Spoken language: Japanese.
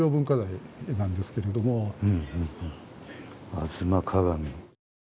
「吾妻鏡」。